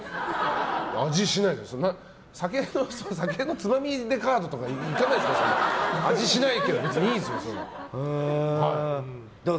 味しないですけど酒のつまみでカードとかいかないですから。